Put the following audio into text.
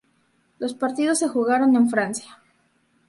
Los partidos se jugaron en Francia.